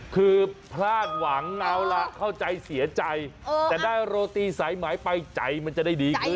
คือพลาดหวังเอาล่ะเข้าใจเสียใจแต่ได้โรตีสายไหมไปใจมันจะได้ดีขึ้น